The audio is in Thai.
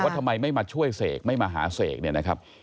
ทำไมไม่มาช่วยเสกไม่มาหาเสกเนี่ยนะครับ